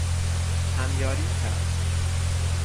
همیاری کرد